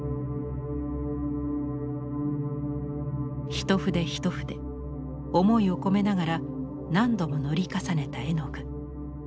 一筆一筆思いを込めながら何度も塗り重ねた絵の具。